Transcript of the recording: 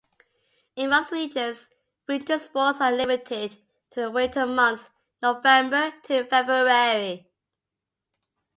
In most regions, winter sports are limited to the winter months November to February.